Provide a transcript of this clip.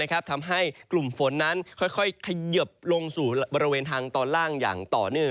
ทำให้กลุ่มฝนนั้นค่อยเขยิบลงสู่บริเวณทางตอนล่างอย่างต่อเนื่อง